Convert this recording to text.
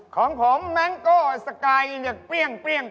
ของผมแมงโก้สกายเนี่ยเปรี้ยง